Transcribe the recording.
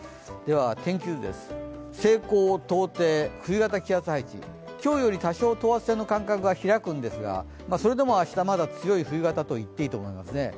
では天気図です、西高東低冬型気圧配置、今日より多少等圧線の間隔が開くんですがそれでも明日、まだ強い冬型と言っていいと思います。